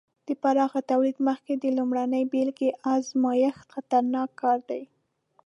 د پراخه تولید مخکې د لومړنۍ بېلګې ازمېښت خطرناک کار دی.